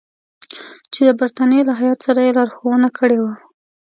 چې د برټانیې له هیات سره یې لارښوونه کړې وه.